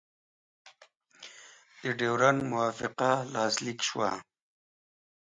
د ډیورنډ موافقه لاسلیک شوه.